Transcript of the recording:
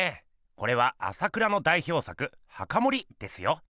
これは朝倉の代表作「墓守」ですよ。